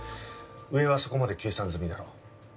上はそこまで計算済みだろう。